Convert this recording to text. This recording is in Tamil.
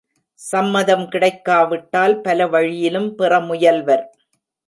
சம்மதம் கிடைக்காவிட்டால் பல வழியிலும் பெற முயல்வர்.